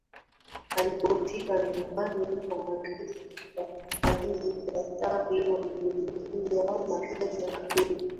Alipofika nyumbani kwa Magreth kutafuta lile daftari walilolitumia Magreth na Debby